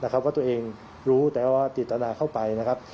ว่าตัวเองรู้แต่ว่าจิตนาเข้าไปนะครับ